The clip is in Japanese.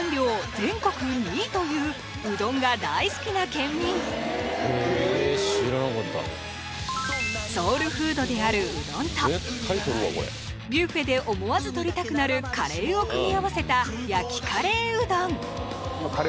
全国２位といううどんが大好きな県民へぇソウルフードであるうどんとビュッフェで思わず取りたくなるカレーを組み合わせた焼きカレーうどん